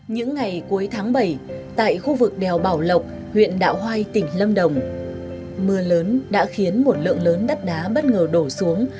những ngày cuối tháng bảy tại khu vực đèo bảo lộc huyện đạo hoai tỉnh lâm đồng mưa lớn đã khiến một lượng lớn đất đá bất ngờ đổ xuống